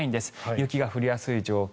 雪が降りやすい状況